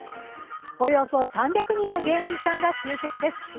およそ３００人の芸人さんが集結です